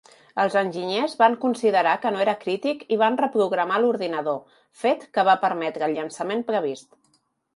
Els enginyers van considerar que no era crític i van reprogramar l'ordinador, fet que va permetre el llançament previst.